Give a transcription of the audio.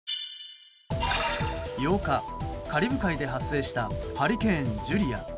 ８日、カリブ海で発生したハリケーン、ジュリア。